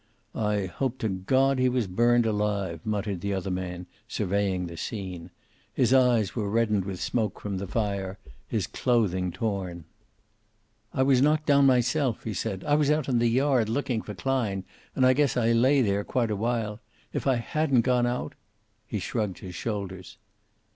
"I hope to God he was burned alive," muttered the other man, surveying the scene. His eyes were reddened with smoke from the fire, his clothing torn. "I was knocked down myself," he said. "I was out in the yard looking for Klein, and I guess I lay there quite a while. If I hadn't gone out?" He shrugged his shoulders.